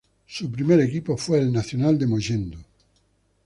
Su primer equipo fue el "Nacional" de Mollendo.